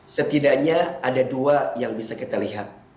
setidaknya ada dua yang bisa kita lihat